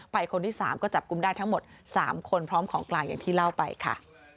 คนที่๓ก็จับกลุ่มได้ทั้งหมด๓คนพร้อมของกลางอย่างที่เล่าไปค่ะ